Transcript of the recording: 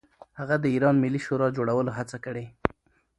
هغه د ایران ملي شورا جوړولو هڅه کړې.